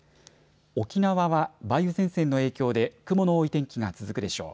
沖縄は梅雨前線の影響で雲の多い天気が続くでしょう。